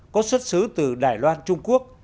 có xuất xứ từ đài loan trung quốc